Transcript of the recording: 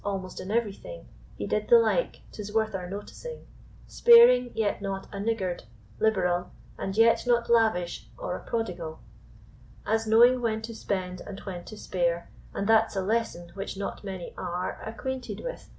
Amost in ev'ry thing He did the like, 'tis worth our noticing: Sparing, yet not a niggard; liberal, And yet not lavish or a prodigal, As knowing when to spend and when to spare; And that's a lesson which not many are Acquainted with.